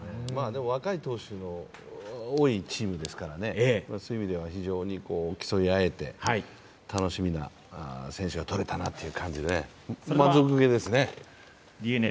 若い投手の多いチームですからね、そういう意味では非常に競い合えて楽しみな選手が取れたという感じでね。